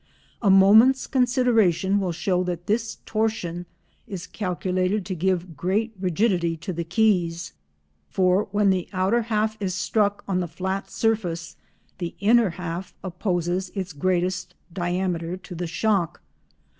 A moment's consideration will show that this torsion is calculated to give great rigidity to the keys, for when the outer half is struck on the flat surface the inner half opposes its greatest diameter to the shock.